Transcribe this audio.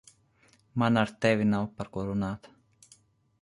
Man ar tevi nav par ko runāt.